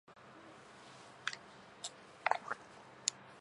だそい ｈｓｄｇ ほ；いせるぎ ｌｈｓｇ